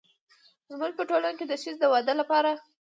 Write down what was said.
زموږ په ټولنه کې د ښځې د واده لپاره